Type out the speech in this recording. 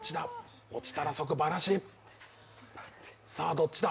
どっちだ？